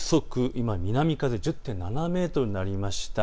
今、南風１０．７メートルになりました。